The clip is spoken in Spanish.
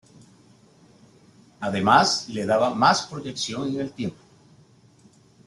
Además le daba más proyección en el tiempo.